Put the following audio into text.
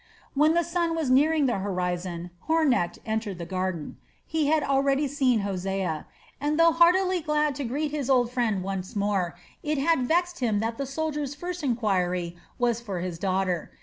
When the sun was nearing the horizon Hornecht entered the garden. He had already seen Hosea, and though heartily glad to greet his old friend once more, it had vexed him that the soldier's first enquiry was for his daughter.